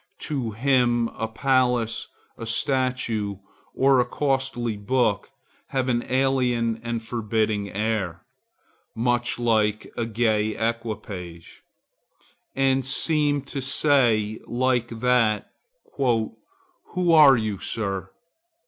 To him a palace, a statue, or a costly book have an alien and forbidding air, much like a gay equipage, and seem to say like that, 'Who are you, Sir?